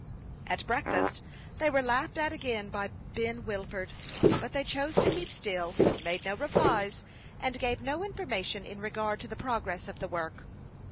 At breakfast they were laughed at again by Ben Wilford ; but they chose to keep still, made no re plies, and gave no information in regard to the prog ress of the work.